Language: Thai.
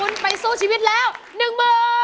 ร้องได้ให้ร้าง